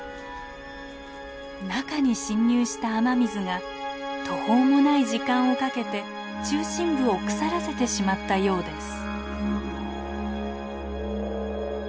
中に侵入した雨水が途方もない時間をかけて中心部を腐らせてしまったようです。